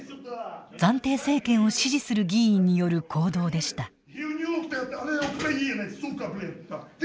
暫定政権を支持する議員による行動でした。